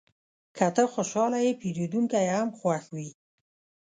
که ته خوشحاله یې، پیرودونکی هم خوښ وي.